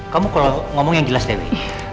kamu kalau ngomong yang jelas dewi